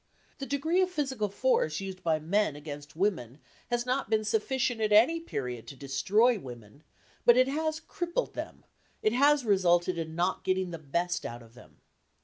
The degree of physical force used by men against women has not been sufficient at any period to destroy women, but it has crippled them; it has resulted in not getting the best out of them.